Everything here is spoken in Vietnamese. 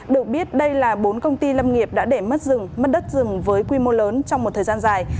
được biết đây là bốn công ty lâm nghiệp đã để mất rừng mất đất rừng với quy mô lớn trong một thời gian dài